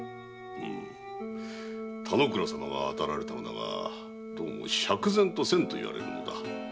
田之倉様が当たられたのだが「どうも釈然とせぬ」と言われる。